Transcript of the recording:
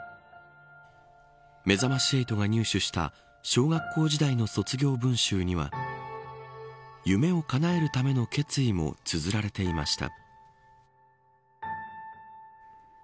めざまし８が入手した小学校時代の卒業文集には夢をかなえるための決意もつづられていました。